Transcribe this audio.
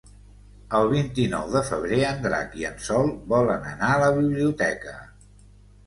El vint-i-nou de febrer en Drac i en Sol volen anar a la biblioteca.